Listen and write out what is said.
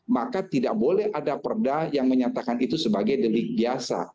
maka tidak boleh ada perda yang menyatakan itu sebagai delik biasa